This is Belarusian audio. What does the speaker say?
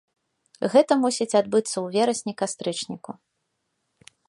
Гэта мусіць адбыцца ў верасні-кастрычніку.